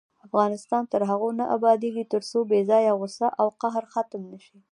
افغانستان تر هغو نه ابادیږي، ترڅو بې ځایه غوسه او قهر ختم نشي.